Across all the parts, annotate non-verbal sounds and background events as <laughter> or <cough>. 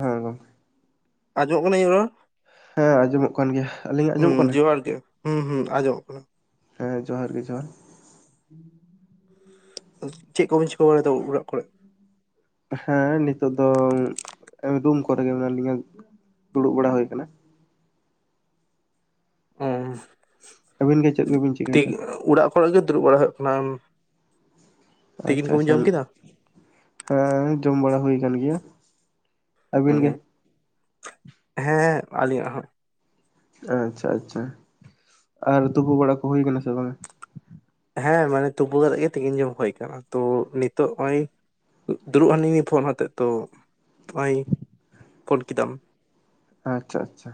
ᱦᱮᱸ ᱜᱚᱢᱠᱮ ᱟᱸᱡᱚᱢᱚᱜ ᱠᱟᱱᱟ ᱤᱧᱟᱜ ᱨᱚᱲ ᱦᱮᱸ ᱟᱸᱡᱚᱢᱚᱜ ᱠᱟᱱ ᱜᱮᱭᱟ ᱟᱹᱞᱤᱧᱟᱜ ᱦᱩᱸ ᱟᱸᱡᱚᱢᱚᱜ ᱠᱟᱱᱟ ᱡᱚᱦᱟᱨ ᱜᱮ ᱦᱩᱸ ᱦᱩᱸ ᱟᱸᱡᱚᱢᱚᱜ ᱠᱟᱱᱟ ᱦᱮᱸ ᱡᱚᱦᱟᱨ ᱜᱮ ᱡᱚᱦᱟᱨ ᱪᱮᱫ ᱠᱚᱵᱤᱱ ᱪᱤᱠᱟᱹ ᱵᱟᱲᱟᱭ ᱫᱟ ᱚᱲᱟᱜ ᱠᱚᱨᱮ? ᱦᱮᱸ ᱱᱤᱛᱳᱜ ᱫᱚ ᱨᱩᱢ ᱠᱚᱨᱮ ᱜᱮ ᱢᱮᱱᱟᱜ ᱞᱤᱧᱟ ᱫᱩᱲᱩᱵ ᱵᱟᱲᱟ ᱦᱩᱭ ᱟᱠᱟᱱᱟ ᱚ ᱟᱹᱵᱤᱱ ᱜᱮ ᱪᱮᱫ ᱠᱚᱵᱤᱱ ᱴᱷᱤᱠ ᱪᱤᱠᱟᱹᱭᱮᱫᱟ ᱚᱲᱟᱜ ᱠᱚᱨᱮ ᱜᱮ ᱫᱩᱲᱩᱵ ᱵᱟᱲᱟ ᱦᱩᱭᱩᱜ ᱠᱟᱱᱟ ᱛᱤᱠᱤᱱ ᱟᱪᱪᱷᱟ ᱠᱚᱵᱤᱱ ᱟᱪᱪᱷᱟ ᱡᱚᱢ ᱠᱮᱫᱟ? ᱦᱮᱸ ᱡᱚᱢ ᱵᱟᱲᱟ ᱦᱩᱭ ᱠᱟᱱ ᱜᱮᱭᱟ ᱟᱹᱵᱤᱱ ᱜᱮ ᱩᱸ ᱦᱮᱸ ᱟᱹᱞᱤᱧᱟᱜ ᱦᱚᱸ ᱟᱪᱪᱷᱟ ᱟᱪᱪᱷᱟ ᱟᱨ ᱛᱩᱯᱩ ᱵᱟᱲᱟ ᱠᱚ ᱦᱩᱭ ᱠᱟᱱᱟ ᱥᱮ ᱵᱟᱝ? ᱦᱮᱸ ᱢᱟᱱᱮ ᱛᱩᱯᱩ ᱠᱟᱛᱮᱜ ᱜᱮ ᱛᱤᱠᱤᱱ ᱡᱚᱢ ᱦᱳᱭ ᱟᱠᱟᱱᱟ ᱛᱚ ᱱᱤᱛᱚᱜ ᱱᱚᱜᱼᱚᱭ ᱫᱩᱲᱩᱵ ᱞᱤᱱᱤᱧ ᱯᱷᱳᱱ ᱟᱛᱮᱫ ᱛᱚ ᱱᱚᱜᱼᱚᱭ ᱯᱷᱳᱱ ᱠᱮᱫᱟᱢ ᱟᱪᱪᱷᱟ ᱟᱪᱪᱷᱟ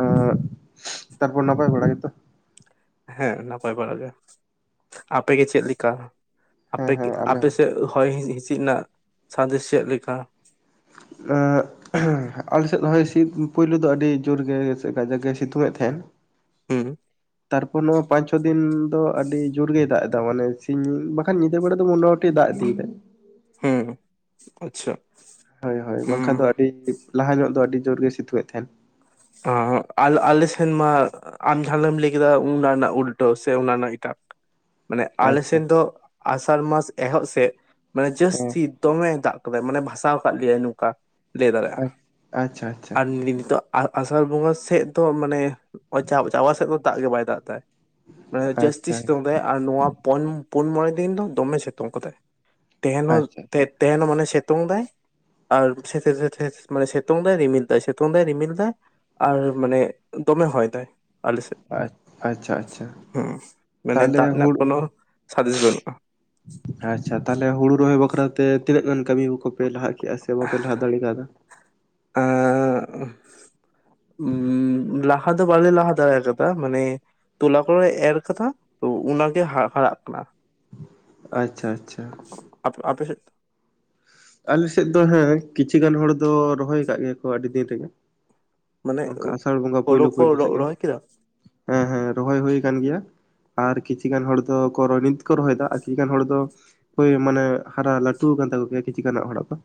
ᱟ ᱛᱟᱨᱯᱚᱨ ᱱᱟᱯᱟᱭ ᱵᱟᱲᱟ ᱜᱮᱛᱚ? ᱦᱮᱸ ᱱᱟᱯᱟᱭ ᱵᱟᱲᱟ ᱜᱮ, ᱟᱯᱮ ᱜᱮ ᱪᱮᱫ ᱞᱮᱠᱟ? ᱦᱮᱸ ᱟᱯᱮ ᱦᱮᱸ ᱟᱞᱮ ᱟᱯᱮ ᱦᱚᱸ ᱥᱮᱫ ᱦᱚᱭ ᱦᱤᱸᱥᱤᱫ ᱨᱮᱱᱟᱜ ᱥᱟᱸᱫᱮᱥ ᱪᱮᱫ ᱞᱮᱠᱟ? <unintelligible> ᱟᱞᱮᱥᱮᱫ ᱫᱚ ᱦᱚᱭ ᱦᱤᱥᱤᱫ ᱯᱩᱭᱞᱩ ᱫᱚ ᱟᱹᱰᱤ ᱡᱳᱨ ᱜᱮ ᱥᱮ ᱠᱟᱡᱟᱜ ᱜᱮ ᱥᱤᱛᱩᱝ ᱮᱫ ᱛᱟᱦᱮᱸᱱ ᱦᱮᱸ ᱛᱟᱨᱯᱚᱨ ᱱᱚᱣᱟ ᱯᱟᱸᱪ ᱪᱷᱚ ᱫᱤᱱ ᱫᱚ ᱟᱹᱰᱤ ᱡᱳᱨ ᱜᱮᱭ ᱫᱟᱜ ᱮᱫᱟ ᱢᱟᱱᱮ ᱥᱤᱧ ᱵᱟᱠᱷᱟᱱ ᱧᱤᱫᱟᱹ ᱵᱮᱲᱟ ᱫᱚ ᱢᱚᱴᱟ ᱫᱟᱜ ᱤᱫᱤᱭᱮᱫᱟᱭ ᱦᱩᱸ ᱟᱪᱪᱷᱟ ᱦᱳᱭ ᱦᱳᱭ ᱵᱟᱝᱠᱷᱟᱱ ᱦᱩᱸ ᱫᱚ ᱟᱰᱤ ᱞᱟᱦᱟ ᱧᱚᱜ ᱫᱚ ᱟᱹᱰᱤ ᱡᱳᱨ ᱜᱮᱭ ᱥᱤᱛᱩᱝ ᱮᱫ ᱛᱟᱦᱮᱸᱱ ᱟᱞ ᱟᱞᱮ ᱥᱮᱱᱢᱟ ᱟᱢ ᱡᱟᱦᱟᱸ ᱱᱟᱜ ᱮᱢ ᱞᱟᱹᱭ ᱠᱮᱫᱟ ᱚᱱᱟ ᱨᱮᱱᱟᱜ ᱩᱞᱴᱟᱹ ᱥᱮ ᱚᱱᱟ ᱨᱮᱱᱟᱜ ᱮᱴᱟᱜ ᱢᱟᱱᱮ ᱟᱞᱮ ᱟᱪᱪᱷᱟ ᱥᱮᱱ ᱫᱚ ᱟᱥᱟᱲ ᱢᱟᱥ ᱮᱦᱚᱵ ᱥᱮᱫ ᱢᱟᱱᱮ ᱦᱮᱸ ᱡᱟᱹᱥᱛᱤ ᱫᱚᱢᱮ ᱫᱟᱜ ᱠᱟᱫᱟᱭ ᱢᱟᱱᱮ ᱵᱷᱟᱥᱟᱣ ᱟᱠᱟᱫ ᱞᱮᱭᱟᱭ ᱱᱚᱠᱟ ᱞᱟᱹᱭ ᱫᱟᱲᱮᱭᱟᱜ-ᱟ ᱟᱪᱪᱷᱟ ᱟᱪᱪᱷᱟ ᱟᱨ ᱱᱤᱱᱛᱳᱜ ᱟᱨ ᱟᱥᱟᱲ ᱵᱚᱸᱜᱟ ᱥᱮᱫ ᱫᱚ ᱢᱟᱱᱮ ᱪᱟ ᱪᱟᱵᱟ ᱥᱮᱫ ᱫᱚ ᱫᱟᱜ ᱜᱮ ᱵᱟᱭ ᱫᱟᱜ ᱫᱟᱭ ᱢᱟᱱᱮ ᱡᱟᱹᱥᱛᱤ ᱟᱪᱪᱷᱟ ᱥᱤᱛᱩᱝ ᱫᱟᱭ ᱟᱨ ᱱᱚᱣᱟ ᱯᱳᱱ ᱯᱩᱱ ᱢᱚᱬᱮᱸ ᱫᱤᱱ ᱫᱚ ᱫᱚᱢᱮ ᱥᱤᱛᱩᱝ ᱠᱟᱫᱟᱭ᱾ ᱛᱮᱦᱮᱱᱚ ᱟᱪᱪᱷᱟ ᱛᱮ ᱛᱮᱦᱮᱱ ᱦᱚᱸ ᱢᱟᱱᱮ ᱥᱮᱛᱩᱝ ᱫᱟᱭ ᱟᱨ ᱥᱮ ᱥᱮ ᱥᱮ ᱢᱟᱱᱮ ᱥᱮᱛᱳᱝ ᱫᱟᱭ ᱨᱤᱢᱤᱞ ᱫᱟᱭ ᱥᱮᱛᱳᱝ ᱫᱟᱭ ᱨᱤᱢᱤᱞ ᱫᱟ ᱟᱨ ᱢᱟᱱᱮ ᱫᱚᱢᱮ ᱦᱚᱭ ᱫᱟᱭ᱾ ᱟᱞᱮ ᱥᱮᱫ ᱟᱪᱪᱷᱟ ᱟᱪᱪᱷᱟ ᱦᱮ ᱢᱟᱱᱮ ᱛᱟᱦᱚᱞᱮ ᱫᱟᱜ ᱨᱮᱱᱟᱜ ᱦᱩᱲᱩ ᱠᱳᱱᱳ ᱥᱟᱸᱫᱮᱥ ᱵᱟᱹᱱᱩᱜ-ᱟ᱾ ᱟᱪᱪᱷᱟ ᱛᱟᱦᱞᱮ ᱦᱩᱲᱩ ᱨᱚᱦᱚᱭ ᱵᱟᱠᱷᱨᱟ ᱛᱮ ᱛᱤᱱᱟᱹᱜ ᱜᱟᱱ ᱠᱟᱹᱢᱤ ᱠᱚᱯᱮ ᱞᱟᱦᱟ ᱠᱮᱜ ᱟ ᱥᱮ ᱵᱟᱯᱮ ᱞᱟᱦᱟ ᱫᱟᱲᱤ ᱠᱟᱣᱫᱟ ᱟᱸᱻ ᱞᱟᱦᱟ ᱫᱚ ᱵᱟᱞᱮ ᱞᱟᱦᱟ ᱫᱟᱲᱮ ᱠᱟᱫᱟ ᱢᱟᱱᱮ ᱛᱩᱞᱟ ᱠᱚᱞᱮ ᱮᱨ ᱠᱟᱫᱟ ᱛᱚ ᱚᱱᱟᱜᱮ ᱦᱟ ᱦᱟᱨᱟᱜ ᱠᱟᱱᱟ᱾ ᱟᱪᱪᱷᱟ ᱟᱪᱪᱷᱟ ᱟᱯ ᱟᱯᱮ ᱥᱮᱫ? ᱟᱞᱮ ᱥᱮᱫ ᱫᱚ ᱦᱮᱸ ᱠᱤᱪᱷᱩ ᱜᱟᱱ ᱦᱚᱲ ᱫᱚ ᱨᱚᱦᱚᱭ ᱟᱠᱟᱫ ᱜᱮᱭᱟ ᱠᱚ ᱟᱹᱰᱤ ᱫᱤᱱ ᱨᱮᱜᱮ ᱢᱟᱱᱮ ᱚᱱᱠᱟ ᱟᱥᱟᱲ ᱵᱚᱸᱜᱟ ᱦᱳᱲᱳ ᱯᱳᱭᱞᱳ ᱠᱚ ᱯᱳᱭᱞᱳ ᱨᱚ ᱥᱮᱫ ᱜᱮ ᱨᱚᱦᱚᱭ ᱠᱮᱫᱟ ᱦᱮᱸ ᱦᱮᱸ ᱨᱚᱦᱚᱭ ᱦᱩᱭ ᱠᱟᱱ ᱜᱮᱭᱟ ᱟᱨ ᱠᱤᱪᱷᱤ ᱜᱟᱱ ᱦᱚᱲ ᱫᱚ ᱠᱚ ᱨᱚ ᱱᱤᱛ ᱠᱚ ᱨᱚᱦᱚᱭ ᱫᱟ ᱟᱨ ᱠᱤᱪᱷᱩ ᱜᱟᱱ ᱦᱚᱲ ᱫᱚ ᱦᱳᱭ ᱢᱟᱱᱮ ᱦᱟᱨᱟ ᱞᱟᱹᱴᱩᱣ ᱠᱟᱱ ᱛᱟᱠᱚ ᱜᱮᱭᱟ ᱠᱤᱪᱷᱩ ᱜᱟᱱᱟᱜ ᱦᱚᱲᱟᱜ ᱫᱚ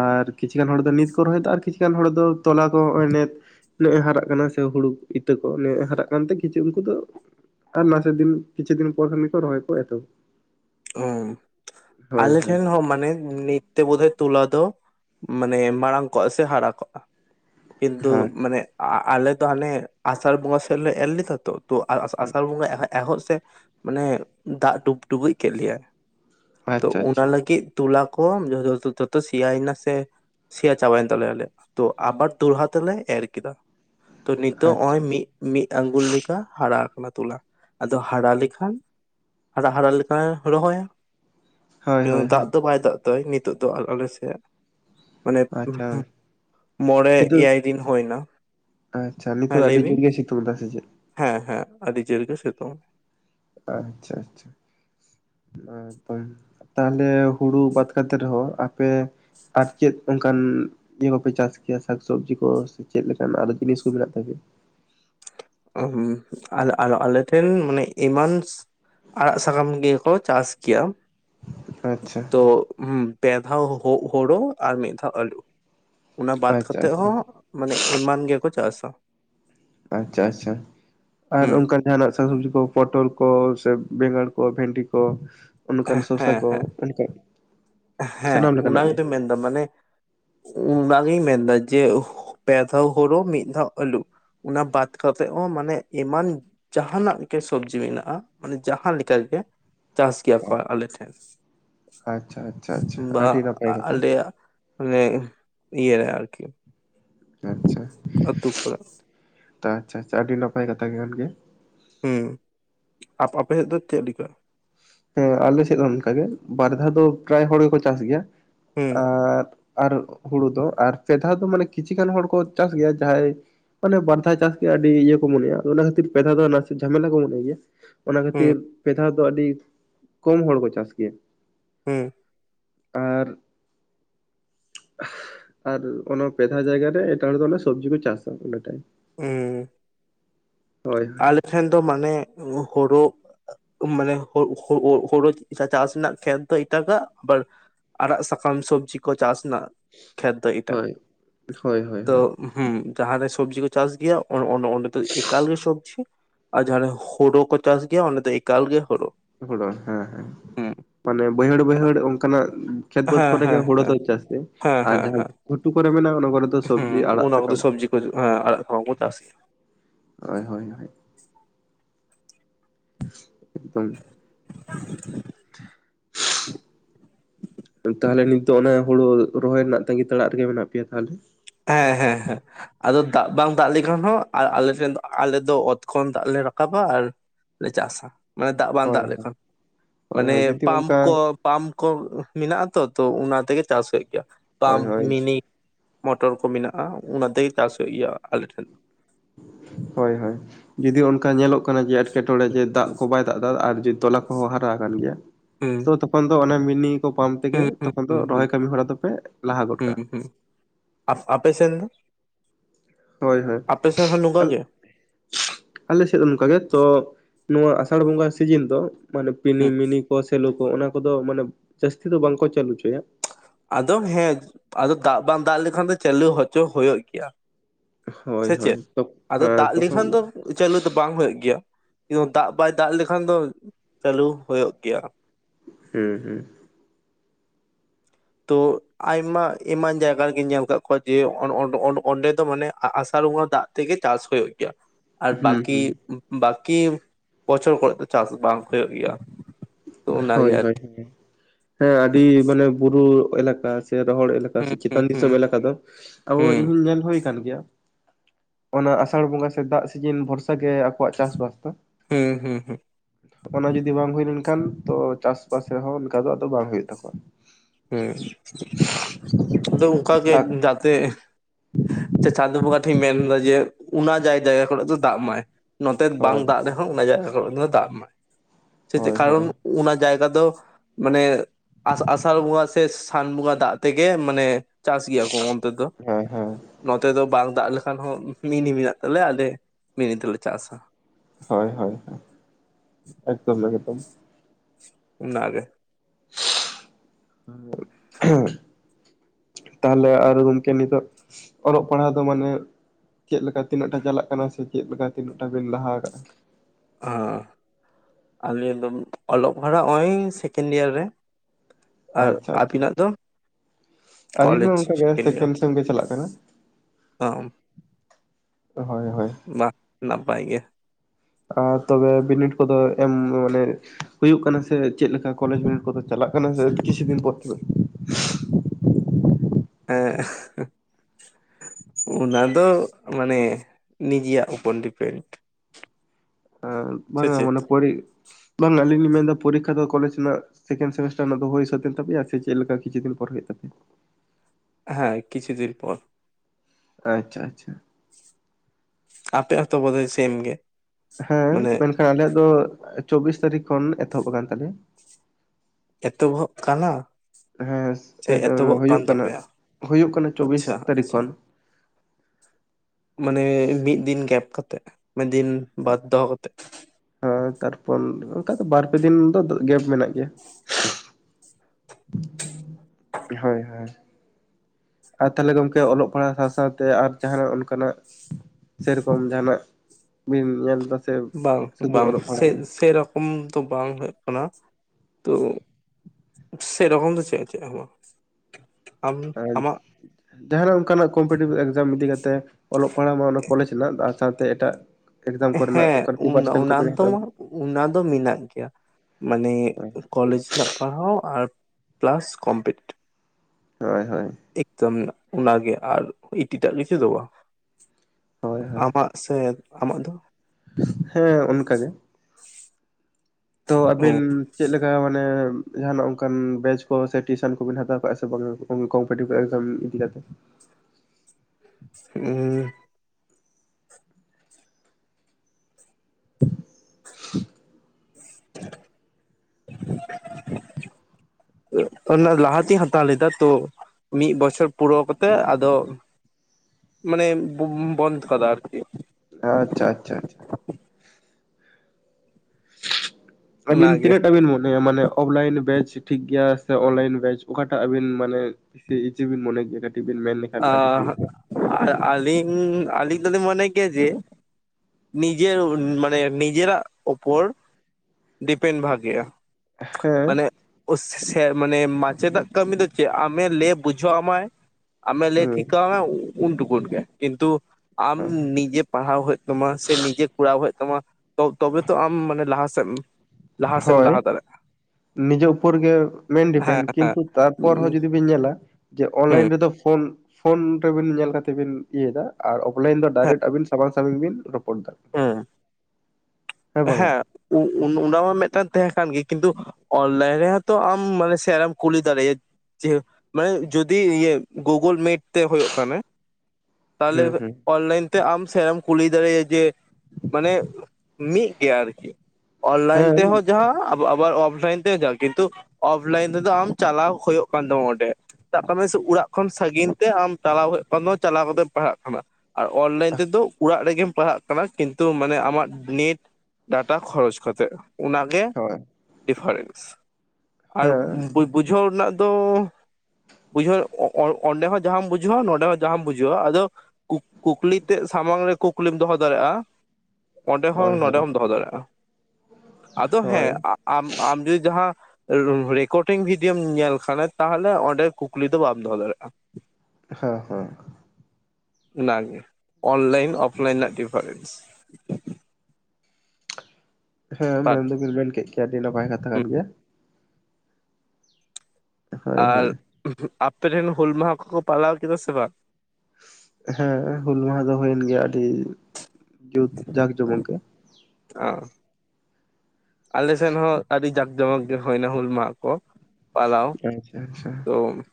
ᱟᱨ ᱠᱤᱪᱷᱤ ᱜᱟᱱ ᱦᱚᱲ ᱫᱚ ᱱᱤᱛ ᱠᱚ ᱨᱚᱦᱚᱭ ᱫᱟ ᱟᱨ ᱠᱤᱪᱷᱤ ᱜᱟᱱ ᱦᱚᱲ ᱫᱚ ᱛᱚᱞᱟ ᱠᱚ ᱱᱚᱜ-ᱚᱭ ᱱᱮᱛ ᱱᱮᱜ-ᱮ ᱦᱟᱨᱟᱜ ᱠᱟᱱᱟ ᱥᱮ ᱦᱩᱲᱩ ᱤᱛᱟᱹ ᱠᱚ ᱱᱮᱜ ᱮ ᱦᱟᱨᱟᱜ ᱠᱟᱱᱛᱮ ᱠᱤᱪᱷᱩ ᱩᱱᱠᱩ ᱫᱚ ᱟᱨ ᱱᱟᱥᱮ ᱫᱤᱱ ᱠᱤᱪᱷᱩ ᱫᱤᱱ ᱯᱚᱨ ᱠᱷᱟᱱ ᱜᱮᱠᱚ ᱨᱚᱦᱚᱭ ᱠᱚ ᱮᱛᱚ ᱳ ᱦᱳᱭ ᱟᱞᱮ ᱦᱳᱭ ᱴᱷᱮᱱ ᱦᱚᱸ ᱢᱟᱱᱮ ᱱᱤᱛ ᱛᱮ ᱵᱳᱫᱷᱚᱭ ᱛᱚᱞᱟ ᱫᱚ ᱢᱟᱱᱮ ᱢᱟᱲᱟᱝ ᱠᱚᱜ-ᱟ ᱥᱮ ᱦᱟᱨᱟ ᱠᱚᱜ-ᱟ, ᱠᱤᱱᱛᱩ ᱦᱳᱭ ᱢᱟᱱᱮ ᱟᱞᱮ ᱫᱚ ᱦᱟᱱᱮ ᱟᱥᱟᱲ ᱵᱚᱸᱜᱟ ᱥᱮᱫ ᱞᱮ ᱮᱨ ᱞᱮᱫᱟ ᱛᱚ ᱛᱚ ᱟᱥᱟᱲ ᱵᱚᱸᱜᱟ ᱮᱦᱚᱵ ᱥᱮᱫ ᱢᱟᱱᱮ ᱫᱟᱜ ᱰᱩᱵ ᱰᱩᱵᱩᱡ ᱠᱮᱫ ᱞᱮᱭᱟᱭ᱾ ᱛᱚ ᱟᱪᱪᱷᱟ ᱚᱱᱟ ᱟᱪᱪᱷᱟ ᱞᱟᱹᱜᱤᱫ ᱛᱚᱞᱟ ᱠᱚ ᱡ ᱡ ᱡ ᱡᱚᱛᱚ ᱥᱮᱭᱟ ᱭᱮᱱᱟ ᱥᱮ ᱥᱮᱭᱟ ᱪᱟᱵᱟᱭᱮᱱ ᱛᱟᱞᱮᱭᱟ ᱟᱞᱮᱭᱟᱜ ᱛᱚ ᱟᱵᱟᱨ ᱫᱲᱦᱟ ᱛᱮᱞᱮ ᱮᱨ ᱠᱮᱫᱟ᱾ ᱛᱚ ᱱᱤᱛᱚᱜ ᱚᱭ ᱟᱪᱪᱷᱟ ᱢᱤᱫ ᱢᱤᱫ ᱟᱸᱜᱩᱞ ᱞᱮᱠᱟ ᱦᱟᱨᱟ ᱟᱠᱟᱱᱟ ᱛᱚᱞᱟ ᱟᱫᱚ ᱦᱟᱨᱟ ᱞᱮᱠᱷᱟᱱ ᱟᱫᱚ ᱦᱟᱨᱟ ᱞᱮᱠᱦᱟᱭ ᱨᱚᱦᱚᱭᱟ ᱦᱳᱭ ᱦᱳᱭ ᱚᱸ ᱫᱟᱜ ᱦᱳᱭ ᱫᱚ ᱵᱟᱭ ᱫᱟᱜ ᱫᱟᱭ ᱱᱤᱛᱚᱜ ᱫᱚ ᱟᱞ ᱟᱞᱮ ᱥᱮᱫ ᱢᱟᱱᱮ ᱟᱪᱪᱷᱟ ᱦᱸ ᱢᱚᱬᱮ ᱮᱭᱟᱭ ᱱᱤᱛᱚᱜ ᱫᱤᱱ ᱦᱳᱭ ᱱᱟ ᱟᱪᱪᱷᱟ ᱦᱮᱸ ᱱᱤᱛᱚᱜ ᱞᱟᱹᱭ ᱟᱹᱰᱤ ᱵᱤᱱ ᱡᱳᱨ ᱜᱮ ᱥᱤᱛᱩᱝ ᱮᱫᱟ ᱥᱮ ᱪᱮᱫ ᱦᱮᱸ ᱦᱮᱸ ᱟᱹᱰᱤ ᱡᱟᱹᱞ ᱜᱮ ᱥᱮᱛᱳᱝ ᱟᱪᱪᱷᱟ ᱟᱪᱪᱷᱟ ᱮ ᱛᱟᱦᱞᱮ ᱦᱩᱲᱩ ᱵᱟᱫ ᱠᱟᱛᱮ ᱨᱮᱦᱚᱸ ᱟᱯᱮ ᱟᱨ ᱪᱮᱫ ᱚᱱᱠᱟᱱ ᱤᱭᱟᱹ ᱠᱚᱯᱮ ᱪᱟᱥ ᱠᱮᱭᱟ ᱥᱟᱠ ᱥᱚᱵᱽᱡᱤ ᱠᱚ ᱥᱮ ᱪᱮᱫ ᱞᱮᱠᱟᱱ ᱟᱨᱚ ᱡᱤᱱᱤᱥ ᱠᱚ ᱢᱮᱱᱟᱜ ᱛᱟᱯᱮᱭᱟ? ᱚᱸ ᱦᱸ ᱟᱞ ᱟᱞ ᱟᱞᱮ ᱴᱷᱮᱱ ᱢᱟᱱᱮ ᱮᱢᱟᱱᱥ ᱟᱲᱟᱜ ᱥᱟᱠᱟᱢ ᱜᱮᱠᱚ ᱪᱟᱥ ᱠᱮᱭᱟ, ᱟᱪᱪᱷᱟ ᱛᱚ ᱯᱮ ᱫᱷᱟᱣ ᱦᱳᱜ ᱦᱳᱲᱳ ᱟᱨ ᱢᱤᱫ ᱫᱷᱟᱣ ᱟᱹᱞᱩ᱾ ᱚᱱᱟ ᱵᱟᱫ ᱟᱪᱪᱷᱟ ᱠᱟᱛᱮᱜ ᱟᱪᱪᱷᱟ ᱦᱚᱸ ᱢᱟᱱᱮ ᱮᱢᱟᱱ ᱜᱮᱠᱚ ᱪᱟᱥᱟ᱾ ᱟᱪᱪᱷᱟ - ᱟᱪᱪᱷᱟ ᱟᱨ ᱦᱩᱸ ᱚᱱᱠᱟ ᱡᱟᱦᱟᱱᱟᱜ ᱥᱟᱠ ᱥᱚᱵᱽᱡᱤ ᱠᱚ ᱯᱚᱴᱚᱞ ᱠᱚ, ᱥᱮ ᱵᱮᱸᱜᱟᱲ ᱠᱚ, ᱵᱷᱮᱱᱰᱤ ᱠᱚ, ᱚᱱᱠᱟᱱ ᱥᱚᱥᱟ ᱦᱮᱸ ᱠᱚ ᱦᱮᱸ <unintelligible> ᱦᱮᱸ ᱥᱟᱱᱟᱢ ᱚᱱᱟ ᱞᱮᱠᱟᱱᱟᱜ ᱜᱮ? ᱜᱮᱛᱚᱧ ᱢᱮᱱᱫᱟ᱾ ᱢᱟᱱᱮ ᱚᱱᱟᱜᱤᱧ ᱢᱮᱱᱫᱟ ᱡᱮ, ᱯᱮ ᱫᱷᱟᱣ ᱦᱳᱲᱳ ᱢᱤᱫ ᱫᱷᱟᱣ ᱟᱹᱞᱩ᱾ ᱚᱱᱟ ᱵᱟᱫ ᱠᱟᱛᱮᱜ ᱦᱚᱸ ᱢᱟᱱᱮ ᱮᱢᱟᱱ ᱡᱟᱦᱟᱱᱟᱜ ᱜᱮ ᱥᱚᱵᱡᱤ ᱢᱮᱱᱟᱜᱼᱟ ᱢᱟᱱᱮ ᱡᱟᱦᱟᱸ ᱞᱮᱠᱟᱱᱟᱜ ᱜᱮ ᱪᱟᱥ ᱜᱮᱭᱟ ᱠᱚ ᱟᱞᱮ ᱴᱷᱮᱱ ᱾ ᱟᱪᱪᱷᱟ ᱟᱪᱷ ᱵᱟ ᱟᱞᱮᱭᱟᱜ ᱞᱮ ᱤᱭᱟᱹ ᱨᱮ ᱟᱨᱠᱤ ᱾ ᱟᱪᱪᱷᱟ ᱠᱚᱨᱮ ᱛ ᱪᱷᱟ ᱪᱷᱟ ᱟᱹᱰᱤ ᱱᱟᱯᱟᱭ ᱠᱟᱛᱷᱟ ᱜᱮ ᱠᱟᱱ ᱜᱮᱭᱟ ᱾ ᱦᱩᱸ ᱟᱯᱮᱥᱮᱫ ᱫᱚ ᱪᱮᱫ ᱞᱮᱠᱟ? ᱦᱮᱸ ᱟᱞᱮ ᱥᱮᱫ ᱦᱚᱸ ᱚᱱᱠᱟᱜᱮ ᱵᱟᱨ ᱫᱷᱟᱣ ᱫᱚ ᱯᱨᱟᱭ ᱦᱚᱲ ᱜᱮᱠᱚ ᱪᱟᱥ ᱜᱮᱭᱟ ᱦᱩᱸ ᱟᱨ ᱟᱨ ᱦᱩᱲᱩ ᱫᱚ ᱟᱨ ᱯᱮᱫᱷᱟᱣ ᱫᱚ ᱢᱟᱱᱮ ᱠᱤᱪᱷᱩ ᱜᱟᱱ ᱦᱚᱲ ᱠᱚ ᱪᱟᱥ ᱜᱮᱭᱟ ᱡᱟᱦᱟᱸᱭ ᱢᱟᱱᱮ ᱵᱟᱨᱫᱷᱟᱣ ᱪᱟᱥ ᱜᱮ ᱟᱹᱰᱤ ᱤᱭᱟᱹ ᱠᱚ ᱢᱚᱱᱮᱭᱟ ᱾ ᱚᱱᱟ ᱠᱷᱟᱹᱛᱤᱨ ᱯᱮᱫᱷᱟᱣ ᱫᱚ ᱚᱱᱟ ᱡᱷᱟᱢᱮᱞᱟ ᱠᱚ ᱢᱚᱱᱮ ᱜᱮᱭᱟ ᱾ ᱚᱱᱟ ᱦᱩᱸ ᱠᱷᱟᱹᱛᱤᱨ ᱯᱮᱫᱦᱟᱣ ᱫᱚ ᱟᱹᱰᱤ ᱠᱚᱢ ᱦᱚᱲ ᱠᱚ ᱪᱟᱥ ᱠᱮᱭᱟ ᱾ ᱦᱮᱸ ᱟᱨ ᱟᱨ ᱚᱱᱟ ᱯᱮᱫᱷᱟ ᱡᱟᱭᱜᱟ ᱨᱮ ᱮᱴᱟᱜ ᱦᱚᱲ ᱫᱚ ᱥᱚᱵᱡᱤ ᱠᱚ ᱪᱟᱥᱟ ᱚᱱᱟᱴᱟᱭᱤᱢ ᱾ ᱦᱩᱸ ᱦᱚᱭ ᱾ ᱦᱮᱸ ᱫᱚ ᱢᱟᱱᱮ ᱦᱩᱲᱩ ᱢᱟᱱᱮ ᱦᱩᱲᱩ ᱪᱟᱥ ᱨᱮᱱᱟᱜ ᱠᱷᱮᱛ ᱫᱚ ᱮᱴᱟᱜᱟᱜ᱾ ᱟᱵᱟᱨ ᱟᱲᱟᱜ ᱥᱟᱠᱟᱢ ᱥᱚᱵᱽᱡᱤ ᱠᱚ ᱪᱟᱥ ᱨᱮᱱᱟ ᱠᱷᱮᱛ ᱫᱚ ᱮᱴᱟᱜᱟᱜ ᱦᱳᱭ ᱦᱳᱭ ᱾ ᱦᱳᱭ ᱛᱚ ᱦᱳᱭ ᱦᱮᱸ ᱡᱟᱦᱟᱸᱨᱮ ᱥᱚᱵᱽᱡᱤ ᱠᱚ ᱪᱟᱥ ᱜᱮᱭᱟ ᱚᱸᱰᱮ ᱫᱚ ᱮᱠᱟᱞ ᱜᱮ ᱥᱚᱵᱽᱡᱤ ᱟᱨ ᱡᱟᱦᱟᱸᱨᱮ ᱦᱩᱲᱩ ᱠᱚ ᱪᱟᱥ ᱜᱮᱭᱟ ᱚᱸᱰᱮ ᱫᱚ ᱮᱠᱟᱞ ᱜᱮ ᱦᱩᱲᱩ ᱾ ᱦᱩᱲᱩ ᱦᱮᱸ ᱦᱮᱸ, ᱢᱟᱱᱮ ᱵᱟᱹᱭᱦᱟᱹᱲ ᱵᱟᱹᱭᱦᱟᱹᱲ ᱚᱱᱠᱟᱱᱟᱜ ᱠᱷᱮᱛ ᱵᱟᱹᱫᱽ ᱦᱮᱸ ᱠᱚᱨᱮ ᱜᱮ ᱦᱮᱸ ᱦᱩᱲᱳ ᱫᱚ ᱦᱮᱸ ᱪᱟᱥ ᱜᱮ ᱦᱮᱸ ᱟᱨ ᱦᱮᱸ ᱡᱟᱦᱟᱸ ᱦᱮᱸ ᱜᱷᱩᱴᱩ ᱠᱚᱨᱮ ᱢᱮᱱᱟᱜᱼᱟ ᱚᱱᱟ ᱠᱚᱨᱮ ᱫᱚ ᱥᱚᱵᱽᱡᱤ ᱦᱩᱸ ᱟᱲᱟᱜ ᱚᱱᱟ ᱠᱚᱫᱚ ᱥᱟᱠᱟᱢ ᱾ ᱥᱚᱵᱽᱡᱤ ᱦᱮᱸ ᱟᱱᱟᱜ ᱥᱟᱠᱟᱢ ᱠᱚ ᱪᱟᱥ ᱠᱮᱭᱟ ᱾ ᱦᱚᱭ ᱦᱚᱭ ᱦᱚᱭ ᱾ <unintelligible> <unintelligible> ᱛᱟᱦᱚᱞᱮ ᱱᱤᱛᱚᱜ ᱚᱱᱟ ᱦᱩᱲᱩ ᱨᱚᱦᱚᱭ ᱨᱮᱱᱟᱜ ᱛᱟᱸᱜᱤ ᱛᱟᱲᱟᱜ ᱨᱮᱜᱮ ᱢᱮᱱᱟᱜ ᱯᱮᱭᱟ ᱛᱟᱦᱚᱞᱮ? ᱦᱮᱸ ᱦᱮᱸ ᱦᱮᱸ ᱾ ᱟᱫᱚ ᱫᱟᱜ ᱵᱟᱝ ᱫᱟᱜ ᱞᱮᱠᱷᱟᱱ ᱦᱚᱸ ᱟᱞᱮ ᱴᱷᱮᱱᱫᱚ ᱟᱞᱮ ᱫᱚ ᱚᱛ ᱠᱷᱚᱱ ᱫᱟᱜ ᱞᱮ ᱨᱟᱠᱟᱵᱟ ᱟᱨ ᱞᱮ ᱪᱟᱥᱟ ᱾ ᱢᱟᱱᱮ ᱫᱟᱜ ᱵᱟᱝ ᱦᱳᱭ ᱫᱟᱜ ᱞᱮᱠᱷᱟᱱ ᱦᱳᱭ ᱦᱳᱭ ᱢᱟᱱᱮ ᱦᱳᱭ ᱡᱩᱫᱤ ᱯᱟᱢᱯ ᱚᱱᱠᱟ ᱠᱚ ᱯᱟᱢᱯ ᱠᱚ ᱢᱮᱱᱟᱜ-ᱟ ᱛᱚ ᱛᱚ ᱚᱱᱟ ᱛᱮᱜᱮ ᱪᱟᱥ ᱦᱩᱭᱩᱜ ᱜᱮᱭᱟ ᱾ ᱦᱳᱭ ᱯᱟᱢᱯ ᱦᱳᱭ ᱢᱤᱱᱤ ᱢᱚᱴᱚᱨ ᱠᱚ ᱢᱮᱱᱟᱜᱼᱟ ᱚᱱᱟ ᱛᱮᱜᱮ ᱪᱟᱥ ᱦᱩᱭᱩᱜ ᱜᱮᱭᱟ ᱟᱞᱮ ᱴᱷᱮᱱ ᱾ ᱦᱚᱭ ᱦᱚᱭ ᱡᱩᱫᱤ ᱚᱱᱠᱟ ᱧᱮᱞᱚᱜ ᱠᱟᱱᱟ ᱡᱮ ᱮᱸᱴᱠᱮ-ᱴᱚᱬᱮ ᱡᱮ ᱫᱟᱜ ᱠᱚ ᱵᱟᱭ ᱫᱟᱜ ᱮᱫᱟ ᱟᱨ ᱡᱮ ᱛᱚᱞᱟ ᱦᱚ ᱦᱟᱨᱟ ᱠᱟᱱ ᱜᱮᱭᱟ ᱾ ᱦᱮᱸ ᱛᱚᱠᱷᱚᱱ ᱫᱚ ᱚᱱᱟ ᱢᱤᱱᱤ ᱠᱚ ᱯᱟᱢ ᱛᱮᱜᱮ ᱛᱚᱠᱷᱚᱱ ᱫᱚ ᱦᱩᱸ ᱨᱚᱦᱚᱭ ᱠᱟᱹᱢᱤ ᱦᱚᱨᱟ ᱫᱚᱯᱮ ᱞᱟᱦᱟ ᱜᱚᱫ ᱦᱩᱸ ᱠᱟᱜᱼᱟ ᱾ ᱦᱩᱸ ᱦᱩᱸ ᱟᱯ ᱟᱯᱮᱥᱱ ᱦᱳᱭ ᱦᱳᱭ ᱟᱯᱮᱥᱮᱱ ᱦᱚᱸ ᱱᱚᱝᱠᱟ ᱜᱮ? ᱟᱞᱮ ᱥᱮᱫ ᱫᱚ ᱱᱚᱝᱠᱟ ᱜᱮ᱾ ᱛᱚ ᱱᱚᱣᱟ ᱟᱥᱟᱲ ᱵᱚᱸᱜᱟ ᱥᱤᱡᱤᱱ ᱫᱚ ᱢᱟᱱᱮ ᱯᱤᱱᱤ ᱦᱩᱸ ᱢᱤᱱᱤ ᱠᱚ ᱥᱮᱞᱚ ᱠᱚ ᱚᱱᱟ ᱠᱚᱫᱚ ᱢᱟᱱᱮ ᱡᱟᱹᱥᱛᱤ ᱫᱚ ᱵᱟᱝ ᱠᱚ ᱪᱟᱹᱞᱩ ᱦᱚᱪᱚᱭᱟ᱾ ᱟᱫ ᱦᱮᱸ ᱟᱫᱚ ᱫᱟᱜ ᱵᱟᱭ ᱫᱟᱜ ᱞᱮᱠᱷᱟᱱ ᱫᱚ ᱪᱟᱹᱞᱩ ᱦᱚᱪᱚ ᱦᱳᱭᱳᱜ ᱜᱮᱭᱟ ᱾ ᱦᱳᱭ ᱥᱮ ᱦᱳᱭ ᱪᱮᱫ, ᱟᱫᱚ ᱦᱮᱸ ᱫᱟᱜ ᱛᱚᱠᱷᱚᱱ ᱞᱮᱠᱷᱟᱱ ᱫᱚ ᱪᱟᱹᱞᱩ ᱫᱚ ᱵᱟᱝ ᱦᱳᱭᱳᱜ ᱜᱮᱭᱟ᱾ ᱠᱤᱱᱛᱩ ᱫᱟᱜ ᱵᱟᱭ ᱫᱟᱜ ᱞᱮᱠᱷᱟᱱ ᱫᱚ ᱪᱟᱹᱞᱩ ᱦᱳᱭᱳᱜ ᱜᱮᱭᱟ ᱾ ᱦᱩᱸ ᱦᱩᱸ ᱛᱚ ᱟᱭᱢᱟ ᱮᱢᱟᱱ ᱡᱟᱭᱜᱟ ᱨᱮᱜᱮᱧ ᱧᱮᱞ ᱠᱟᱫ ᱠᱚᱣᱟ ᱡᱮ ᱚᱸᱰᱮ ᱫᱚ ᱢᱟᱱᱮ ᱟᱥᱟᱲ ᱵᱚᱸᱜᱟ ᱫᱟᱜ ᱛᱮᱜᱮ ᱪᱟᱥ ᱦᱳᱭᱳᱜ ᱜᱮᱭᱟ ᱾ ᱟᱨ ᱦᱩᱸ ᱵᱟᱠᱤ ᱦᱩᱸ ᱵᱟᱠᱤ ᱵᱚᱪᱷᱚᱨ ᱠᱚᱨᱮᱜ ᱫᱚ ᱪᱟᱥ ᱵᱟᱝ ᱦᱳᱭᱳᱜ ᱜᱮᱭᱟ᱾ ᱛᱚ ᱚᱱᱟᱜᱮ ᱦᱳᱭ ᱦᱳᱭ ᱟᱨᱠᱤ ᱦᱳᱭ ᱦᱮᱸ ᱟᱹᱰᱤ ᱢᱟᱱᱮ ᱵᱩᱨᱩ ᱮᱞᱟᱠᱟ ᱥᱮ ᱨᱚᱦᱚᱲ ᱮᱞᱟᱠᱟ᱾ ᱪᱮᱫᱟᱜ ᱥᱮ ᱪᱮᱛᱟᱱ ᱦᱩᱸ ᱫᱤᱥᱚᱢ ᱮᱞᱟᱠᱟ ᱫᱚ ᱟᱵᱚ ᱦᱩᱸ ᱤᱧ ᱦᱚᱸᱧ ᱧᱮᱞ ᱦᱳᱭ ᱠᱟᱱ ᱜᱮᱭᱟᱼᱼ ᱚᱱᱟ ᱟᱥᱟᱲ ᱵᱚᱸᱜᱟ ᱥᱮᱫ ᱫᱟᱜ ᱥᱤᱡᱤᱱ ᱵᱷᱚᱨᱥᱟ ᱜᱮ ᱟᱠᱚᱣᱟᱜ ᱪᱟᱥ-ᱵᱟᱥ ᱫᱚ᱾ ᱦᱮᱸ ᱦᱩᱸ ᱦᱩᱸ ᱚᱱᱟ ᱡᱩᱫᱤ ᱵᱟᱝ ᱦᱩᱭ ᱞᱮᱱᱠᱷᱟᱱ ᱛᱚ ᱪᱟᱥ-ᱵᱟᱥ ᱨᱮᱦᱚᱸ ᱚᱱᱠᱟ ᱫᱚ ᱟᱫᱚ ᱵᱟᱝ ᱦᱩᱭᱩᱜ ᱛᱟᱠᱚᱣᱟ᱾ ᱦᱩᱸ ᱟᱫᱚ ᱚᱱᱠᱟᱜᱮ ᱥᱟᱠ ᱡᱟᱛᱮᱼᱼ ᱪᱮ ᱪᱟᱸᱫᱚ ᱵᱚᱸᱜᱟ ᱴᱷᱮᱡ ᱤᱧ ᱢᱮᱱᱫᱟ ᱡᱮ ᱚᱱᱟ ᱡᱟᱭ ᱡᱟᱭᱜᱟ ᱠᱚᱨᱮ ᱫᱚ ᱫᱟᱜ ᱢᱟᱭ᱾ ᱱᱚᱛᱮ ᱵᱟᱝ ᱦᱳᱭ ᱫᱟᱜ ᱨᱮᱦᱚᱸ ᱚᱱᱟ ᱡᱟᱭᱜᱟ ᱠᱚᱨᱮ ᱫᱚᱭ ᱫᱟᱜ ᱢᱟᱭ᱾ ᱥᱮ ᱪᱮᱫ ᱦᱳᱭ ᱠᱟᱨᱚᱱᱼᱼ ᱦᱳᱭ ᱚᱱᱟ ᱡᱟᱭᱜᱟ ᱫᱚ ᱢᱟᱱᱮ, ᱟᱥ-ᱟᱥᱼᱼ ᱟᱥᱟᱲ ᱵᱚᱸᱜᱟ ᱥᱮ ᱥᱟᱱ ᱵᱚᱸᱜᱟ ᱫᱟᱜ ᱛᱮᱜᱮ ᱢᱟᱱᱮ ᱪᱟᱥ ᱜᱮᱭᱟ ᱠᱚ ᱚᱱᱛᱮ ᱫᱚ᱾ ᱦᱚᱭ ᱦᱮᱸ ᱱᱚᱛᱮ ᱫᱚ ᱵᱟᱝ ᱫᱟᱜ ᱞᱮᱠᱷᱟᱱ ᱦᱚᱸ ᱯᱞᱤᱱᱤ ᱢᱮᱱᱟᱜ ᱛᱟᱞᱮᱭᱟ ᱟᱞᱮ ᱢᱤᱱᱤ ᱛᱮᱞᱮ ᱪᱟᱥᱟ᱾ ᱦᱳᱭ ᱦᱳᱭ ᱦᱳᱭ ᱮᱠᱫᱚᱢ ᱮᱠᱫᱚᱢ᱾ ᱚᱱᱟ ᱜᱮ, <unintelligible> ᱛᱟᱦᱞᱮ ᱟᱨᱚ ᱜᱚᱢᱠᱮ ᱱᱤᱛᱚᱜ ᱚᱞᱚᱜ ᱯᱟᱲᱦᱟᱣ ᱫᱚ ᱢᱟᱱᱮᱼᱼ ᱪᱮᱫ ᱞᱮᱠᱟ ᱛᱤᱱᱟᱹᱜ ᱴᱟ ᱪᱟᱞᱟᱜ ᱠᱟᱱᱟ ᱥᱮ ᱪᱮᱫ ᱞᱮᱠᱟ ᱛᱤᱱᱟᱹᱜ ᱴᱟ ᱵᱤᱱ ᱞᱟᱦᱟ ᱠᱟᱜ-ᱟ? <inaudible> ᱟᱞᱤᱧ ᱫᱚ ᱚᱞᱚᱜ ᱯᱟᱲᱦᱟᱣ ᱦᱚᱜ-ᱚᱭ ᱥᱮᱠᱮᱱᱰ ᱤᱭᱟᱨ ᱨᱮ᱾ ᱟᱨ ᱟᱵᱤᱱᱟᱜ ᱫᱚ? ᱟᱞᱤᱧ ᱠᱚᱞᱮᱡᱽ ᱦᱚᱸ ᱚᱱᱠᱟᱜᱮ ᱥᱮᱠᱮᱱᱰ ᱤᱭᱟᱨ ᱥᱮᱠᱮᱱ ᱥᱮᱢ ᱜᱮ ᱪᱟᱞᱟᱜ ᱠᱟᱱᱟ᱾ ᱦᱳᱭ ᱦᱳᱭ᱾ <inaudible> ᱱᱟᱯᱟᱭ ᱜᱮ᱾ ᱟᱨ ᱛᱚᱵᱮ ᱵᱤᱱᱤᱰ ᱠᱚᱫᱚ ᱮᱢ ᱢᱟᱱᱮ ᱦᱩᱭᱩᱜ ᱠᱟᱱᱟ ᱥᱮ ᱪᱮᱫ ᱞᱮᱠᱟ ᱠᱚᱞᱮᱡᱽ ᱵᱤᱱᱤᱰ ᱠᱚᱫᱚᱼᱼ ᱪᱟᱞᱟᱜ ᱠᱟᱱᱟ ᱥᱮ ᱠᱤᱪᱷᱩ ᱫᱤᱱ ᱯᱚᱨ ᱛᱤᱱᱟᱹᱜᱼᱼ ᱦᱮᱸ <unintelligible> ᱚᱱᱟ ᱫᱚ ᱢᱟᱱᱮ ᱱᱤᱡᱮᱭᱟᱜ ᱩᱯᱚᱨ ᱰᱤᱯᱮᱱᱰ᱾ ᱮᱸ ᱥᱮ ᱵᱟᱝᱟ ᱪᱮᱫ ᱢᱟᱱᱮ ᱯᱚᱨᱤ ᱵᱟᱝᱟ ᱟᱹᱞᱤᱧ ᱞᱤᱧ ᱢᱮᱱᱫᱟ ᱯᱚᱨᱤᱠᱠᱷᱟ ᱫᱚ ᱠᱚᱞᱮᱡᱽ ᱨᱮᱱᱟᱜᱼᱼ ᱥᱮᱠᱮᱱᱰ ᱥᱮᱢᱤᱥᱴᱟᱨ ᱨᱮᱱᱟᱜ ᱫᱚ ᱦᱳᱭ ᱥᱟᱹᱛ ᱮᱱ ᱛᱟᱯᱮᱭᱟ ᱥᱮ ᱪᱮᱫ ᱞᱮᱠᱟ ᱠᱤᱪᱷᱩ ᱫᱤᱱ ᱯᱚᱨᱮ ᱦᱳᱭᱳᱜ ᱛᱟᱯᱮᱭᱟ? ᱦᱮᱸ ᱠᱤᱪᱷᱩ ᱫᱤᱱ ᱯᱚᱨ᱾ ᱟᱪᱪᱷᱟ ᱟᱪᱪᱷᱟᱼᱼ ᱟᱯᱮᱭᱟᱜ ᱦᱚᱸᱛᱚ ᱵᱳᱫᱷᱚᱭ ᱥᱮᱢ ᱜᱮ! ᱦᱮᱸ ᱢᱟᱱᱮ ᱢᱮᱱᱠᱷᱟᱱ ᱟᱞᱮᱭᱟᱜ ᱫᱚ ᱪᱚᱵᱵᱤᱥ ᱛᱟᱹᱨᱤᱠᱷ ᱠᱷᱚᱱ ᱮᱛᱚᱦᱚᱵ ᱠᱟᱱ ᱛᱟᱞᱮᱭᱟ᱾ ᱮᱛᱚ-ᱵᱷᱚᱵ ᱠᱟᱱᱟ? ᱥᱮ ᱦᱩᱸ ᱮᱛᱚᱦᱚᱵ ᱠᱟᱱ ᱦᱩᱭᱩᱜ ᱠᱟᱱᱟ ᱛᱟᱯᱮᱭᱟ ᱦᱩᱭᱩᱜ ᱠᱟᱱᱟ ᱪᱚᱵᱵᱤᱥ ᱟᱪᱪᱷᱟ ᱛᱟᱹᱨᱤᱠᱷ ᱟᱪᱪᱷᱟ ᱠᱷᱚᱱ᱾ ᱢᱟᱱᱮ ᱢᱤᱫ ᱫᱤᱱ ᱜᱮᱯ ᱠᱟᱛᱮᱜ ᱢᱤᱫ ᱫᱤᱱ ᱵᱟᱫᱽ ᱫᱷᱟᱣ ᱠᱟᱛᱮᱫ᱾ ᱦᱚᱸ ᱛᱟᱨᱯᱚᱱ ᱚᱱᱠᱟ ᱫᱚ ᱵᱟᱨ ᱯᱮ ᱫᱤᱱ ᱫᱚ ᱜᱮᱯ ᱢᱮᱱᱟᱜ ᱜᱮᱭᱟ᱾ <inaudible> ᱦᱳᱭ-ᱦᱳᱭ᱾ ᱟᱨ ᱛᱟᱦᱚᱞᱮ ᱜᱚᱢᱠᱮ ᱚᱞᱚᱜ ᱯᱟᱲᱦᱟᱜ ᱥᱟᱶ ᱥᱟᱶᱛᱮ ᱟᱨ ᱡᱟᱦᱟᱱᱟᱜ ᱚᱱᱠᱟᱱᱟᱜ? ᱥᱮᱨᱚᱠᱚᱢ ᱡᱟᱦᱟᱸᱱᱟᱜ ᱵᱤᱱ ᱧᱮᱞ ᱮᱫᱟ? ᱥᱮ ᱵᱟᱝ ᱥᱩᱫᱷᱩ ᱵᱟᱝ ᱚᱞᱚᱜ ᱥᱮ ᱯᱟᱲᱦᱟᱜ ᱜᱮ ᱥᱮᱨᱚᱠᱚᱢ ᱫᱚ ᱵᱟᱝ ᱦᱩᱭᱩᱜ ᱠᱟᱱᱟ᱾ ᱛᱚᱼᱼ ᱥᱮᱨᱚᱠᱚᱢ ᱫᱚ ᱪᱮᱫ ᱪᱮᱫ ᱦᱚ ᱵᱟᱝ᱾ ᱟᱢ ᱟᱨ ᱟᱢᱟᱜ ᱡᱟᱦᱟᱱᱟᱜ ᱚᱱᱠᱟᱱᱟᱜ ᱠᱚᱢᱯᱤᱴᱤᱴᱤᱵᱷ ᱮᱠᱡᱟᱢ ᱤᱫᱤ ᱠᱟᱛᱮᱼᱼ ᱚᱞᱚᱜ ᱯᱟᱲᱦᱟᱜ ᱢᱟ ᱚᱱᱟ ᱠᱚᱞᱮᱡᱽ ᱨᱮᱱᱟᱜ ᱥᱟᱶᱛᱮ ᱮᱴᱟᱜᱼᱼ ᱦᱮᱸ ᱚᱱᱟ ᱫᱚ ᱦᱟᱛᱟᱣ ᱮᱫᱟ? ᱚᱱᱟ ᱫᱚ ᱢᱮᱱᱟᱜ ᱜᱮᱭᱟ᱾ ᱢᱟᱱᱮᱼᱼ ᱦᱳᱭ ᱠᱚᱞᱮᱡᱽ ᱨᱮᱱᱟᱜ ᱯᱟᱲᱦᱟᱣ ᱟᱨ ᱯᱞᱟᱥ ᱠᱚᱢᱯᱤᱴᱤᱴᱤᱵᱼᱼ ᱦᱳᱭ-ᱦᱳᱭ᱾ ᱮᱠᱫᱚᱢ ᱚᱱᱟᱜᱮ ᱟᱨ ᱤᱴᱤᱴᱟᱜ ᱠᱤᱪᱩ ᱫᱚ ᱵᱟᱝ᱾ ᱦᱳᱭ ᱟᱢᱟᱜᱼᱼ ᱥᱮ ᱟᱢᱟᱜ ᱫᱚ? ᱦᱮᱸ ᱚᱱᱠᱟ ᱜᱮ᱾ ᱛᱚ ᱟᱵᱤᱱ ᱪᱮᱫ ᱞᱮᱠᱟ ᱢᱟᱱᱮ, ᱡᱟᱦᱱᱟᱜ ᱚᱱᱠᱟᱱ ᱵᱮᱪ ᱠᱚ ᱥᱮ ᱴᱤᱭᱥᱚᱱ ᱠᱚᱵᱤᱱ ᱦᱟᱛᱟᱣ ᱠᱟᱜᱼᱟ ᱥᱮ ᱵᱟᱝᱟ᱾ᱠᱚᱢᱯᱤᱴᱤᱵᱷ ᱮᱠᱡᱟᱢ ᱤᱫᱤ ᱠᱟᱛᱮ? ᱦᱮᱸ <inaudible> <inaudible> ᱚᱱᱟ ᱞᱟᱦᱟᱛᱤᱧ ᱦᱟᱛᱟᱣ ᱞᱮᱫᱟ᱾ ᱛᱚ ᱢᱤᱜ ᱵᱚᱪᱷᱚᱨ ᱯᱩᱨᱟᱹᱣ ᱠᱟᱛᱮᱜ ᱟᱫᱚ ᱢᱟᱱᱮ ᱵᱚᱸᱱᱫ ᱠᱟᱫᱟ ᱟᱨᱠᱤ᱾ ᱟᱪᱪᱷᱟ ᱟᱪᱪᱷᱟ ᱟᱪᱷᱟ᱾ ᱟᱹᱵᱤᱱ ᱚᱱᱟᱜᱮ ᱛᱤᱱᱟᱹᱜ ᱴᱟ ᱵᱤᱱ ᱢᱚᱱᱮᱭᱟ? ᱢᱟᱱᱮ, ᱚᱯᱷᱞᱟᱭᱤᱱ ᱵᱮᱪ ᱴᱷᱤᱠ ᱜᱮᱭᱟ ᱾ᱥᱮ ᱚᱱᱞᱟᱭᱤᱱ ᱵᱮᱪ ᱚᱠᱟᱴᱟᱜ ᱟᱵᱤᱱ ᱢᱟᱱᱮ ᱤᱡᱤ ᱵᱤᱱ ᱢᱚᱱᱮ ᱜᱮᱭᱟ? ᱠᱟᱹᱴᱤᱡ ᱵᱤᱱ ᱢᱮᱱ ᱞᱮᱠᱷᱟᱱ ᱟ ᱟᱹᱰᱤ ᱵᱷᱟᱹᱜᱤ ᱠᱚᱜᱼᱟ ᱼᱟᱹᱞᱤᱧ ᱟᱹᱞᱤᱧ ᱫᱚᱞᱤᱧ ᱢᱚᱱᱮ ᱜᱮᱭᱟ ᱡᱮ ᱱᱤᱡᱮᱨ ᱢᱟᱱᱮ ᱱᱤᱡᱮᱨᱟᱜ ᱩᱯᱚᱨ ᱰᱤᱯᱮᱱᱰ ᱵᱷᱟᱜᱮᱭᱟ᱾ ᱦᱮᱸ᱾ ᱥᱮᱨ ᱢᱟᱱᱮ ᱢᱟᱪᱮᱫᱟᱜ ᱠᱟᱹᱢᱤ ᱫᱚ ᱪᱮᱫ ᱟᱢᱮ ᱞᱮᱭ ᱵᱩᱡᱷᱟᱹ ᱟᱢᱟᱭ᱾ ᱟᱢᱮ ᱞᱟᱹᱭ ᱦᱩᱸ ᱴᱷᱤᱠᱟ ᱟᱢᱟ ᱩᱱ ᱴᱩᱠᱩᱱ ᱜᱮ ᱠᱤᱱᱛᱩ ᱟᱢ ᱦᱮᱸ ᱱᱤᱡᱮ ᱯᱟᱲᱦᱟᱣ ᱦᱩᱭᱩᱜ ᱛᱟᱢᱟ ᱥᱮ ᱱᱤᱡᱮ ᱠᱚᱨᱟᱣ ᱦᱩᱭᱩᱜ ᱛᱟᱢᱟ᱾ᱛᱚ ᱛᱚᱵᱮ ᱛᱚ ᱟᱢ ᱢᱟᱱᱮ ᱞᱟᱦᱟ ᱥᱮᱜ ᱮᱢ ᱞᱟᱦᱟᱥᱮᱜ ᱮᱢ ᱦᱳᱭ ᱞᱟᱦᱟ ᱫᱟᱲᱮᱭᱟᱜᱼᱟ᱾ ᱱᱤᱡᱮ ᱩᱯᱚᱨ ᱜᱮ ᱢᱮᱱ ᱰᱤᱯᱮᱱ᱾ ᱦᱮᱸ ᱠᱤᱱᱛᱩ ᱛᱟᱨᱯᱚᱨ ᱦᱚᱸ ᱦᱮᱸ ᱡᱩᱫᱤᱵᱤᱱ ᱧᱮᱞᱟ, ᱡᱮ ᱦᱮᱸ ᱦᱮᱸ ᱚᱱᱞᱟᱭᱤᱱ ᱨᱮᱫᱚ ᱯᱷᱳᱱ ᱯᱷᱳᱱ ᱨᱮᱵᱤᱱ ᱧᱮᱞ ᱠᱟᱛᱮ ᱵᱤᱱ ᱤᱭᱟᱹᱭᱮᱫᱟ ᱟᱨ ᱚᱯᱷᱞᱟᱭᱤᱱ ᱫᱚ ᱰᱟᱭᱨᱮᱠᱴ ᱟᱵᱤᱱ ᱥᱟᱢᱟᱝ ᱥᱟᱢᱱᱤ ᱵᱤᱱ ᱨᱚᱯᱳᱲ ᱫᱟ᱾ ᱦᱮᱸ ᱦᱮᱸ ᱵᱟᱝᱟ ᱻᱦᱮᱸ ᱚᱱᱟ ᱢᱟ ᱢᱤᱫᱴᱟᱝ ᱛᱟᱦᱮᱸ ᱠᱟᱱ ᱜᱮ ᱠᱤᱱᱛᱩ, ᱚᱱᱞᱟᱭᱤᱱ ᱨᱮᱦᱚᱛᱚ ᱟᱢ ᱢᱟᱱᱮ ᱥᱮᱟᱨᱮᱢ ᱠᱩᱞᱤ ᱫᱟᱲᱮᱭᱟᱜᱼᱟ᱾ ᱡᱮ ᱢᱟᱱᱮ ᱡᱩᱫᱤ ᱤᱭᱟᱹ ᱜᱩᱜᱩᱞ ᱢᱤᱴ ᱛᱮ ᱦᱳᱭᱳᱜ ᱠᱷᱟᱱᱮ᱾ ᱛᱟᱦᱚᱞᱮ ᱦᱩᱸ ᱦᱩᱸ ᱚᱱᱞᱟᱭᱤᱱ ᱛᱮ ᱟᱢ ᱥᱮᱨᱟᱢ ᱠᱩᱞᱤ ᱫᱟᱲᱮᱭᱼᱟ ᱡᱮ ᱢᱟᱱᱮ, ᱢᱤᱫ ᱜᱮᱭᱟ ᱟᱨᱠᱤ ᱚᱱᱞᱟᱭᱤᱱ ᱦᱮᱸ ᱛᱮᱦᱚᱸ ᱡᱟᱦᱟᱸ ᱟᱵᱟᱨ ᱚᱯᱷᱞᱟᱭᱤᱱ ᱛᱮ ᱡᱟ ᱠᱤᱱᱛᱩ ᱚᱯᱷᱞᱟᱭᱤᱱ ᱛᱮᱫᱚ ᱟᱢ ᱪᱟᱞᱟᱣ ᱦᱩᱭᱩᱜ ᱠᱟᱱ ᱛᱟᱢᱟ ᱚᱸᱰᱮ᱾ ᱪᱟᱜ ᱠᱟ ᱢᱮ ᱥᱮ ᱚᱲᱟᱜ ᱠᱷᱚᱱ ᱥᱟᱺᱜᱤᱧ ᱛᱮ ᱟᱢ ᱪᱟᱞᱟᱣ ᱦᱩᱭᱩᱜ ᱠᱟᱱ ᱛᱟᱢᱟ ᱪᱟᱞᱟᱣ ᱠᱟᱛᱮᱢ ᱯᱟᱲᱦᱟᱜ ᱠᱟᱱᱟ᱾ ᱟᱨ ᱚᱱᱞᱟᱭᱤᱱ ᱛᱮᱫᱚ ᱚᱲᱟᱜ ᱨᱮᱜᱮᱢ ᱯᱟᱲᱦᱟᱜ ᱠᱟᱱᱟ᱾ᱠᱤᱱᱛᱩ ᱢᱟᱱᱮ ᱟᱢᱟᱜ ᱱᱮᱴ, ᱰᱟᱴᱟ ᱠᱷᱚᱨᱚᱪ ᱠᱟᱛᱮᱫ ᱚᱱᱟᱜᱮ ᱦᱳᱭ ᱰᱤᱯᱷᱟᱨᱮᱱᱥ᱾ ᱟᱨ ᱦᱮᱸ ᱵᱩᱡ ᱵᱩᱡᱷᱟᱹᱣ ᱨᱮᱱᱟᱜ ᱫᱚ, ᱵᱩᱡᱷᱟᱹᱣ ᱚ ᱻᱚ ᱚᱸᱰᱮ ᱦᱚᱸ ᱡᱟᱦᱟᱸᱢ ᱵᱩᱡᱷᱟᱹᱣᱟ᱾ ᱱᱚᱰᱮ ᱦᱚᱸ ᱡᱟᱦᱟᱸᱟᱢ ᱵᱩᱡᱷᱟᱹᱣᱟ ᱟᱫᱚ, ᱠᱩ ᱠᱩᱠᱞᱤ ᱛᱮᱫ ᱥᱟᱢᱟᱝ ᱨᱮ ᱠᱩᱠᱞᱤᱢ ᱫᱚᱦᱚ ᱫᱟᱲᱮᱭᱟᱜᱼᱟ᱾ ᱚᱸᱰᱮ ᱦᱚᱸ ᱦᱳᱭ ᱱᱚᱰᱮ ᱦᱳᱭ ᱦᱚᱢ ᱫᱚᱦᱚ ᱫᱟᱲᱮᱭᱟᱜᱼᱟ ᱟᱫᱚ ᱦᱮᱸ ᱦᱳᱭ ᱟ ᱻᱟᱢ ᱟᱢ ᱡᱩᱤ ᱡᱟᱦᱟᱸ ᱨᱮᱠᱚᱨᱰᱤᱝ ᱵᱷᱤᱰᱤᱭᱳᱢ ᱧᱮᱞ ᱠᱷᱟᱱᱮ ᱛᱟᱦᱞᱮ ᱚᱸᱰᱮ ᱠᱩᱠᱞᱤ ᱫᱚ ᱵᱟᱢ ᱫᱚᱦᱚ ᱫᱟᱲᱮᱭᱟᱜᱼᱟ᱾ ᱦᱮᱸ ᱦᱮᱸ, ᱚᱱᱟᱜᱮ ᱚᱱᱞᱟᱭᱤᱱ ᱚᱯᱷᱞᱟᱭᱤᱱ ᱨᱮᱱᱟᱜ ᱰᱤᱯᱷᱟᱨᱮᱱᱥ᱾ ᱦᱮᱸ ᱢᱮᱱ ᱫᱚᱵᱤᱱ ᱢᱮᱱ ᱠᱮᱫ ᱜᱮᱭᱟ ᱟᱹᱰᱤ ᱱᱟᱯᱟᱭ ᱠᱟᱛᱷᱟ ᱠᱟᱱ ᱜᱮᱭᱟ, ᱦᱳᱭ ᱟᱨ ᱦᱳᱭ ᱟᱯᱮᱨᱮᱱ ᱦᱩᱞ ᱢᱟᱦᱟᱸ ᱠᱚᱠᱚ ᱯᱟᱞᱟᱣ ᱠᱮᱫᱟ ᱥᱮ ᱵᱟᱝ᱾ ᱦᱮᱸ ᱦᱩᱞ ᱢᱟᱦᱟᱸ ᱫᱚ ᱦᱩᱭᱮᱱ ᱜᱮᱭᱟ ᱟᱹᱰᱤ ᱡᱩᱛ ᱡᱟᱸᱠ ᱡᱚᱢᱚᱠ ᱜᱮ᱾ ᱚᱜ, ᱟᱞᱮᱥᱮᱫ ᱦᱚᱸ ᱟᱹᱰᱤ ᱡᱟᱠ ᱡᱚᱢᱚᱠ ᱜᱮ ᱦᱩᱭᱱᱟ ᱦᱩᱞ ᱢᱟᱜ ᱠᱚ᱾ ᱯᱟᱞᱟᱣ ᱟᱪᱪᱷᱟ ᱟᱪᱪᱷᱟ ᱛᱚ,